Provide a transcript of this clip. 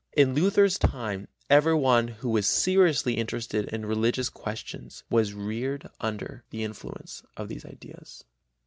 In Luther's time every one who was seriously interested in religious questions was reared under the influence of these ideas.